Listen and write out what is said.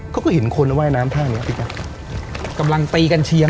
เขาก็เห็นคนว่ายน้ำท่าเนี้ยพี่แจ๊คกำลังตีกันเชียร์